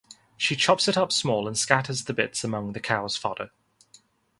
She chops it up small and scatters the bits among the cow's fodder.